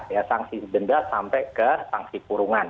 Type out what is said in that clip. ya sanksi denda sampai ke sanksi kurungan